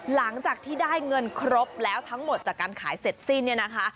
หลังจากที่ได้เงินครบแล้วทั้งหมดจากการขายเสร็จสิ้นเนี่ยนะคะ